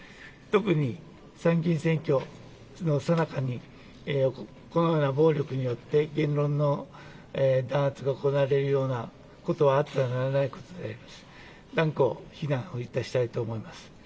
特に参議院選挙のさなかにこのような暴力によって言論の弾圧が行われるようなことはあってはならないことで断固非難をいたしたいと思います。